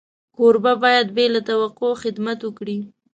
کوربه باید بې له توقع خدمت وکړي.